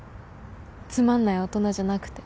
つまんない大人じゃなくて。